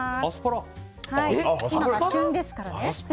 今、旬ですからね。